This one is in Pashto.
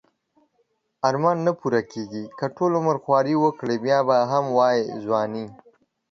ارمان نه پوره کیږی که ټول عمر خواری وکړی بیا به هم وایی ځوانی